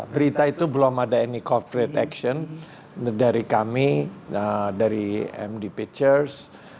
berita itu belum ada any corporate action dari kami dari md pictures